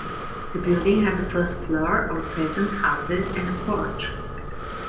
The building has a first floor, or peasants’ houses, and a porch.